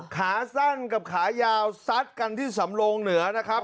ขาสั้นกับขายาวซัดกันที่สำโลงเหนือนะครับ